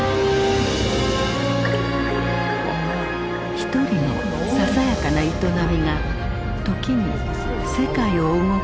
ひとりのささやかな営みが時に世界を動かすことがある。